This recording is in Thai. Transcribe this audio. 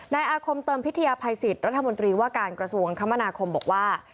อาคมเติมพิทยาภัยสิทธิ์รัฐมนตรีว่าการกระทรวงคมนาคมบอกว่า